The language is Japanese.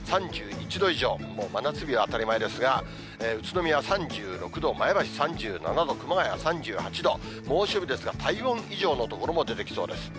３１度以上、もう真夏日は当たり前ですが、宇都宮は３６度、前橋３７度、熊谷３８度、猛暑日ですが、体温以上の所も出てきそうです。